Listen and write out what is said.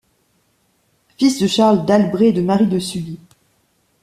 Fils de Charles d'Albret et de Marie de Sully.